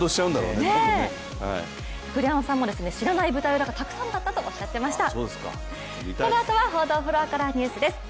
栗山さんも知らない舞台裏がたくさんだったとおっしゃっていました。